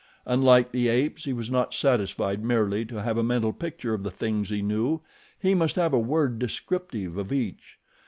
Unlike the apes he was not satisfied merely to have a mental picture of the things he knew, he must have a word descriptive of each.